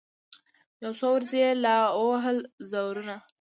یو څو ورځي یې لا ووهل زورونه